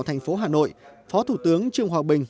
thành phố hà nội phó thủ tướng trương hòa bình